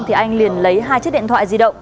thì anh liền lấy hai chiếc điện thoại di động